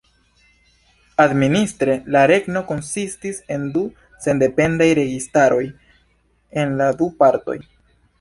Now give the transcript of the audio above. Administre la regno konsistis el du sendependaj registaroj en la du partoj.